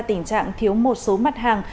tình trạng thiếu một số mặt hàng